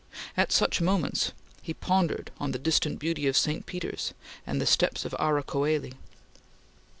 At such moments he pondered on the distant beauty of St. Peter's and the steps of Ara Coeli.